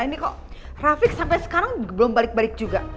ini kok rafiq sampai sekarang belum balik balik juga